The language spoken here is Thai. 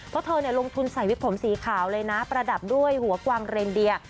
เพราะเธอลงทุนใส่วิกผมสีขาวเลยนะประดับด้วยหัวกวางเรนเดีย